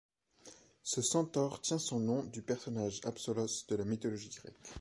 Ce centaure tient son nom du personnage Asbolos de la mythologie grecque.